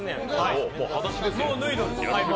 もう、はだしですよ。